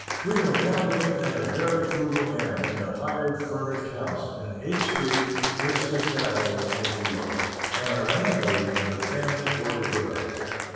We were now living in a very frugal manner in a hired furnished house in Eighth Street, near Sixth Avenue, in New York, and our landlady and her family boarded with us.